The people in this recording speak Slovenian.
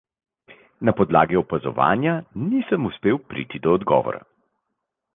Na podlagi opazovanja nisem uspel priti do odgovora.